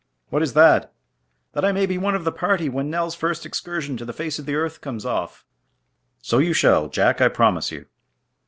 "What is that?" "That I may be one of the party when Nell's first excursion to the face of the earth comes off!" "So you shall, Jack, I promise you!"